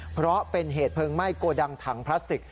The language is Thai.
เพราะเป็นเหตุเพลิงไหม้โกดังถังพลาสติก